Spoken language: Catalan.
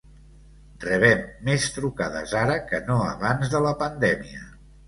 Rebem més trucades ara que no abans de la pandèmia.